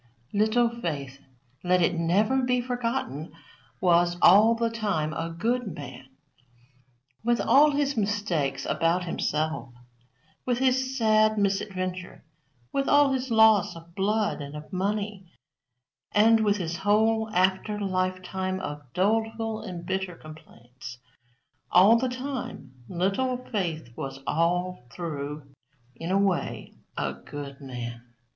Little Faith, let it never be forgotten, was, all the time, a good man. With all his mistakes about himself, with his sad misadventure, with all his loss of blood and of money, and with his whole after lifetime of doleful and bitter complaints, all the time, Little Faith was all through, in a way, a good man.